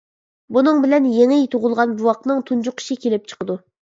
بۇنىڭ بىلەن يېڭى تۇغۇلغان بوۋاقنىڭ تۇنجۇقۇشى كېلىپ چىقىدۇ.